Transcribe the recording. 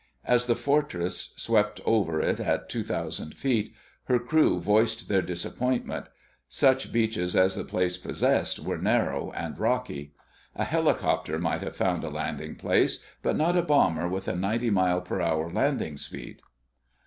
As the Fortress swept over it at two thousand feet, her crew voiced their disappointment. Such beaches as the place possessed were narrow and rocky. A helicopter might have found a landing place, but not a bomber with a 90 mile per hour landing speed.